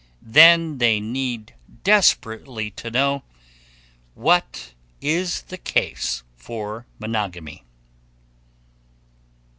Then they need desperately to know, "What is the case for monogamy?"